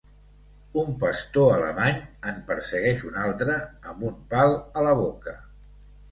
Un pastor alemany en persegueix un altre amb un pal a la boca.